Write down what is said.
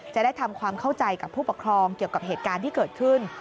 จะได้ทำความเข้าใจกับผู้ปกครองเกี่ยวกับเหตุการณ์ที่เกิดขึ้น